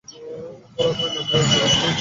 গোরা কহিল, মা, এ বিবাহে তুমি যোগ দিলে চলবে না।